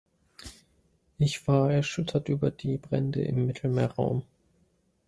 Ich war erschüttert über die Brände im Mittelmeerraum.